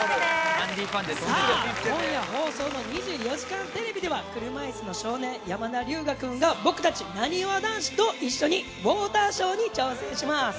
今夜放送の『２４時間テレビ』では、車いすの少年・山田龍芽くんが、僕たち、なにわ男子と一緒にウォーターショーに挑戦します。